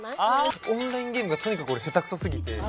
オンラインゲームがとにかく俺下手くそすぎて。